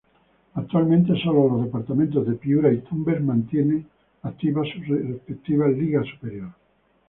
Actualmente sólo los departamentos de Piura y Tumbes mantienen activas su respectiva Liga Superior.